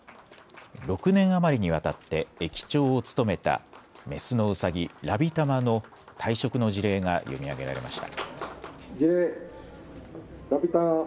６年余りにわたって駅長を務めたメスのうさぎ、ラビたまの退職の辞令が読み上げられました。